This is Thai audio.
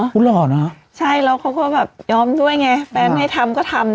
คุณหล่อนะใช่แล้วเขาก็แบบยอมด้วยไงแฟนไม่ทำก็ทำ